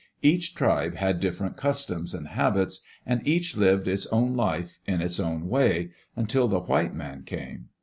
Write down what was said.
Each tribe had different customs and habits, and each lived its own life in its own way, until the white man came.